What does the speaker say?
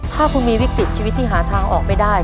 ถ้าคุณมีวิกฤตชีวิตที่หาทางออกไม่ได้